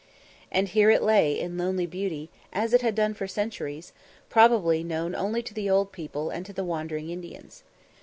And here it lay in lonely beauty, as it had done for centuries, probably known only to the old people and to the wandering Indians.